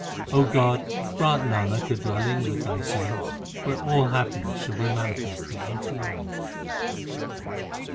God, grant Nanak a dwelling with Thy saints, Where all happiness shall be manifested unto him.